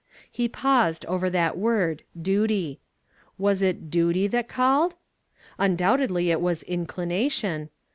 He paused over that word "duty." Was it duti/ that called? Un doubtedly it was inclination.